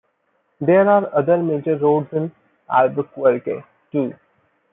There are other major roads in Albuquerque too.